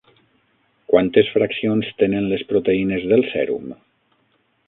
Quantes fraccions tenen les proteïnes del sèrum?